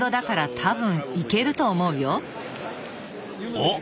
おっ！